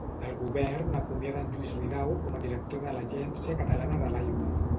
El Govern acomiada en Lluís Ridao com a director de l'Agència Catalana de l'Aigua.